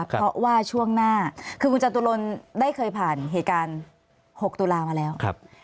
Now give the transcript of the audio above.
เพราะว่าช่วงหน้าคือคุณจตุรนได้เคยผ่านเหตุการณ์๖ตุลามาแล้ว